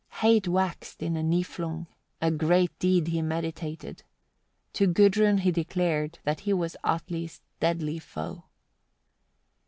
87. Hate waxed in a Hniflung, a great deed he meditated; to Gudrun he declared that he was Atli's deadly foe.